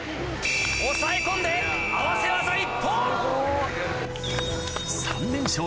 抑え込んで合わせ技一本！